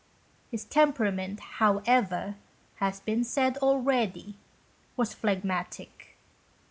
His temperament, however, as has been said already, was phlegmatic.